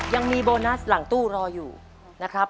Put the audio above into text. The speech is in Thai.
ยังมีโบนัสหลังตู้รออยู่นะครับ